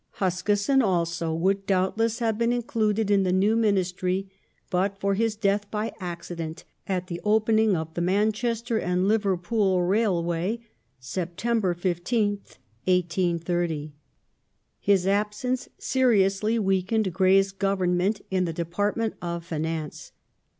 Huskisson also would doubtless have been included in the new Ministry but for his death by accident at the opening of the Manchester and Liverpool Railway (Sept. 15th, 1830). His absence seriously weakened Grey's Government in the department of Finance.